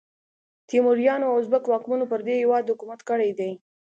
تیموریانو او ازبک واکمنو پر دې هیواد حکومت کړی دی.